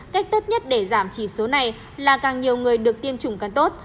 cách tốt nhất để giảm chỉ số này là càng nhiều người được tiêm chủng càng tốt